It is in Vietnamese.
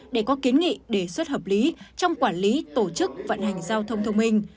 để có kiến nghị đề xuất hợp lý trong quản lý tổ chức vận hành giao thông thông minh